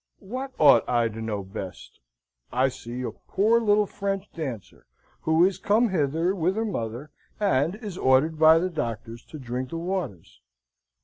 "What ought I to know best? I see a poor little French dancer who is come hither with her mother, and is ordered by the doctors to drink the waters.